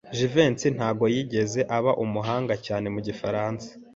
Jivency ntabwo yigeze aba umuhanga cyane mu gifaransa.